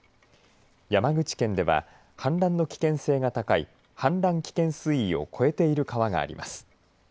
山口県では氾濫の危険性が高い氾濫危険水位を超えている川があります。